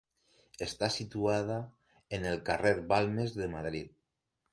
Està situada en el carrer Balmes de Madrid.